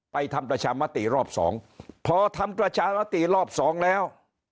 ทำประชามติรอบสองพอทำประชามติรอบสองแล้ว